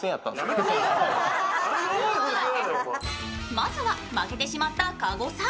まずは負けてしまった加護さん。